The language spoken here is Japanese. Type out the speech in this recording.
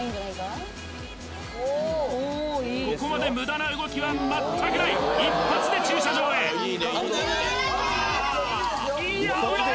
ここまで無駄な動きは全くない一発で駐車場へいや危ない！